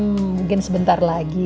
mungkin sebentar lagi